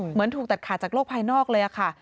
เหมือนถูกตัดขาดจากโลกภายนอกเลยค่ะ